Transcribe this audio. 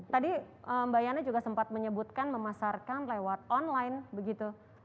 tadi mbak yana juga sempat menyebutkan memasarkan lewat online begitu